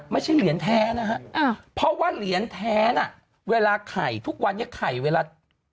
ไม่ใช่เหรียญแท้นะฮะเพราะว่าเหรียญแท้น่ะเวลาไข่ทุกวันนี้ไข่เวลา